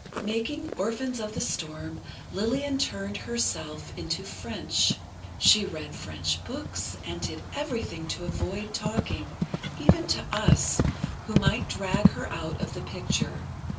Making "Orphans of the Storm," Lillian turned herself into French. She read French books, and did everything to avoid talking, even to us, who might drag her out of the picture.